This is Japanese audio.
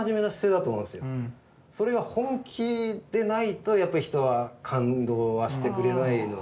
それが本気でないとやっぱり人は感動はしてくれない。